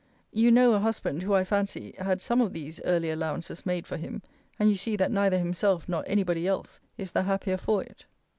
You know a husband, who, I fancy, had some of these early allowances made for him: and you see that neither himself nor any body else is the happier for it.